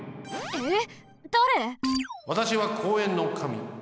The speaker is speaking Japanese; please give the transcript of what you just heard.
えっ！？